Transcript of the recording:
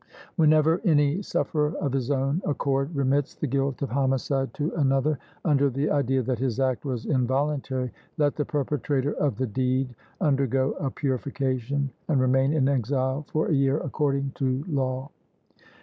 Whenever any sufferer of his own accord remits the guilt of homicide to another, under the idea that his act was involuntary, let the perpetrator of the deed undergo a purification and remain in exile for a year, according to law.